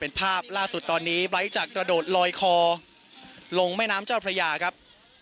เป็นภาพล่าสุดตอนนี้ไลท์จากกระโดดลอยคอลงแม่น้ำเจ้าพระยาครับ